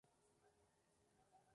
A continuación se cuece en un horno.